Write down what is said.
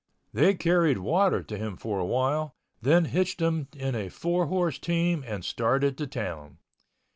They carried water to him for a while, then hitched him in a four horse team and started to town.